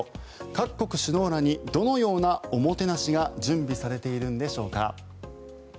各国首脳らにどのようなおもてなしが準備されているんでしょうか。